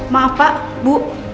maaf pak bu